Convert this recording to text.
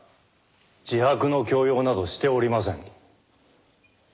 自白の強要などしておりません。